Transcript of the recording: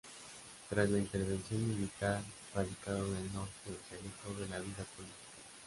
Tras la intervención militar, radicado en el norte, se alejó de la vida política.